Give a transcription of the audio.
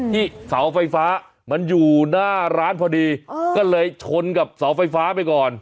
เสาไฟฟ้ามันอยู่หน้าร้านพอดีก็เลยชนกับเสาไฟฟ้าไปก่อน